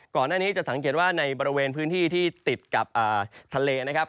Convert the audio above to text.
ก่อนหน้านี้จะสังเกตว่าในบริเวณพื้นที่ที่ติดกับทะเลนะครับ